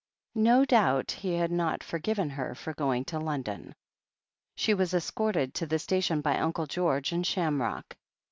No doubt he had not forgiven her for going to London. She was escorted to the station by Uncle George and Shamrock.